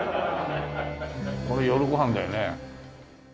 これ夜ご飯だよね。